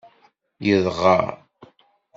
Yedɣer.